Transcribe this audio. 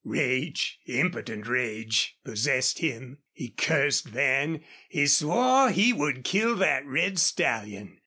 Rage, impotent rage, possessed him. He cursed Van, he swore he would kill that red stallion.